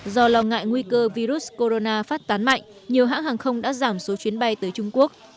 do lo ngại nguy cơ virus corona phát tán mạnh nhiều hãng hàng không đã giảm số chuyến bay tới trung quốc